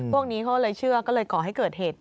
พวกนี้เขาเลยเชื่อก็เลยก่อให้เกิดเหตุ